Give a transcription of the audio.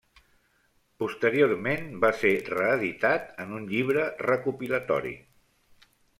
Posteriorment va ser reeditat en un llibre recopilatori.